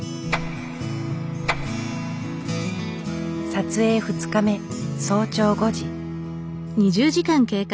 撮影２日目早朝５時。